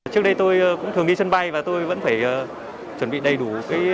trước đây tôi cũng thường đi sân bay và tôi vẫn phải chuẩn bị đầy đủ